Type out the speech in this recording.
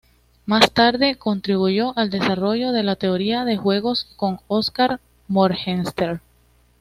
Más tarde, contribuyó al desarrollo de la teoría de juegos con Oskar Morgenstern.